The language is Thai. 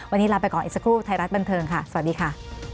วันนี้ลาไปก่อนอีกสักครู่ไทยรัฐบันเทิงค่ะสวัสดีค่ะ